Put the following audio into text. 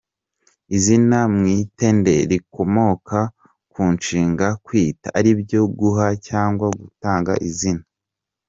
Izina Mwitende rikomoka ku nshinga ‘kwita’ ari byo guha cyangwa gutanga izina.